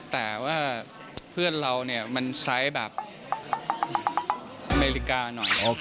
แต่เพื่อนเรามันไซฟ์แบบอเมริกาหน่อย